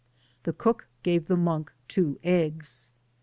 The cook gave the monk two e^^s.